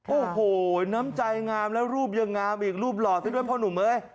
โอ้โหน้ำใจงามแล้วรูปยังงามอีกรูปหล่อซะด้วยพ่อหนุ่มเอ้ย